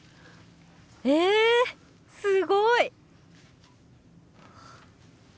えすごい！